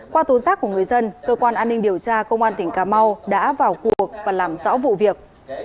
qua tố giác của người dân cơ quan an ninh điều tra công an tỉnh cà mau đã vào cuộc và làm rõ vụ việc